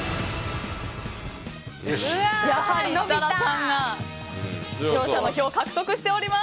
やはり設楽さんが視聴者の票を獲得しています。